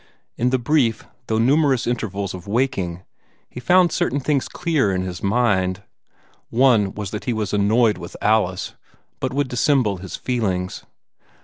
In the brief though numerous intervals of waking, he found certain things clear in his mind. One was that he was annoyed with Alice, but would dissemble his feelings.